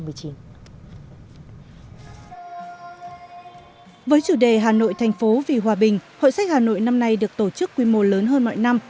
với chủ đề hà nội thành phố vì hòa bình hội sách hà nội năm nay được tổ chức quy mô lớn hơn mọi năm